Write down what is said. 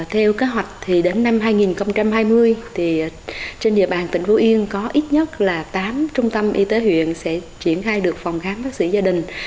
theo kế hoạch thì đến năm hai nghìn hai mươi trên địa bàn tỉnh phú yên có ít nhất là tám trung tâm y tế huyện sẽ triển khai được phòng khám bác sĩ gia đình